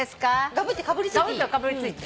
がぶっとかぶりついて。